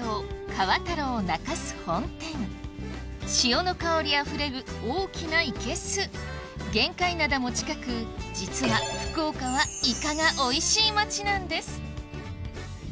河太郎中洲本店潮の香りあふれる大きな生け簀玄界灘も近く実は福岡はイカがおいしい町なんです